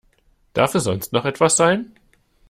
Darf es sonst noch etwas sein?